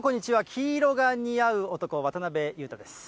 黄色が似合う男、渡辺裕太です。